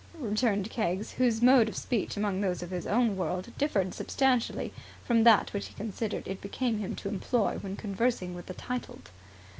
returned Keggs, whose mode of speech among those of his own world differed substantially from that which he considered it became him to employ when conversing with the titled.